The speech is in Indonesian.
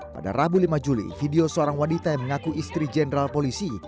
pada rabu lima juli video seorang wanita yang mengaku istri jenderal polisi